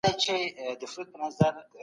د وطن مينه له ايمان څخه ده.